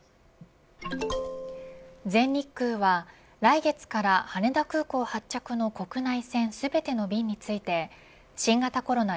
全日空は来月から羽田空港発着の国内線全ての便について新型コロナ